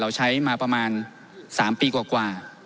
ใช้มาประมาณ๓ปีกว่า